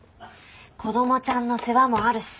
子どもちゃんの世話もあるし。